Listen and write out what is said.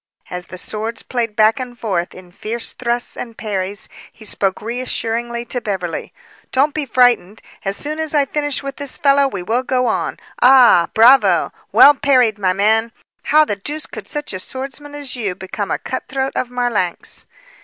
As the swords played back and forth in fierce thrusts and parries, he spoke assuringly to Beverly: "Don't be frightened! As soon as I finish with this fellow, we will go on! Ah! Bravo! Well parried, my man! How the deuce could such a swordsman as you become a cutthroat of Marlanx?"